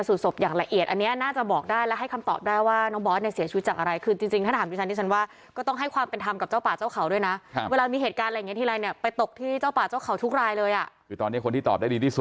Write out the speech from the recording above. คือตอนนี้คนที่ตอบได้ดีที่สุดเนี่ยก็คือวรพฤษฐ์เพื่อนของน้องบอส